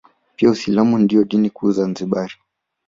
Pia uislamu ndio dini kuu Zanzibari